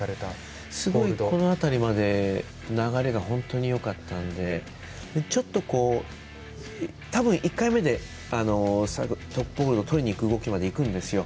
この辺りまで流れが本当によかったのでちょっと、１回目でトップホールドとりにいくんですよ。